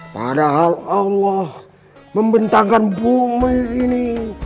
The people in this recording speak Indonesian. padahal allah membentangkan bumi ini